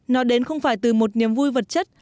nó đến không phải từ một niềm vui vật chất